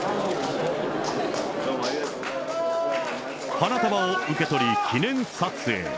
花束を受け取り、記念撮影。